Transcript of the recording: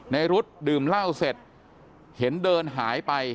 รุ๊ดดื่มเหล้าเสร็จเห็นเดินหายไป